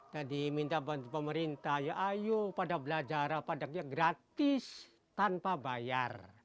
tadi minta bantu pemerintah ya ayo pada belajar pada gratis tanpa bayar